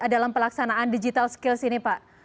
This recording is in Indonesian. dalam pelaksanaan digital skills ini pak